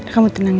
kamu tenang ya